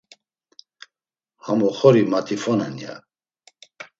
Ham oxori mat̆ifone’n, ya.